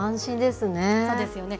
そうですよね。